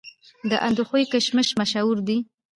د اندخوی کشمش مشهور دي